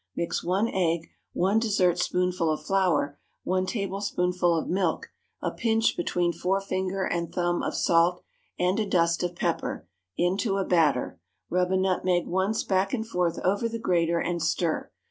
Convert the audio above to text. Mix one egg, one dessertspoonful of flour, one tablespoonful of milk, a pinch between forefinger and thumb of salt, and a dust of pepper, into a batter, rub a nutmeg once back and forth over the grater, and stir.